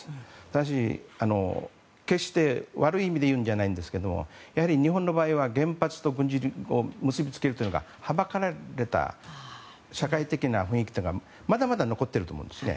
ただし、決して悪い意味でいうんじゃないんですがやはり日本の場合は原発と軍事を結びつけるのがはばかられた社会的な雰囲気というのはまだまだ残っていると思うんですね。